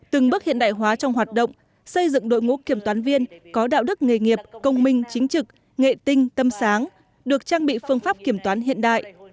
từng bước hiện đại hóa trong hoạt động xây dựng đội ngũ kiểm toán viên có đạo đức nghề nghiệp công minh chính trực nghệ tinh tâm sáng được trang bị phương pháp kiểm toán hiện đại